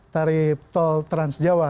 tarif tol trans jawa